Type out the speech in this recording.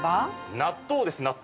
納豆です、納豆。